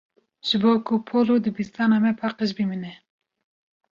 Ji bo ku pol û dibistana me paqij bimîne.